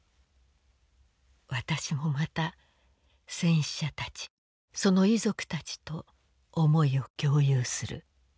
私もまた戦死者たちその遺族たちと思いを共有する。